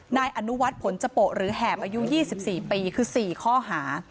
นายอนุวัฒน์ผลจโปะหรือแหบอายุ๒๔ปีคือ๔ข้อหา